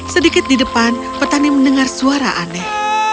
sedikit di depan petani mendengar suara aneh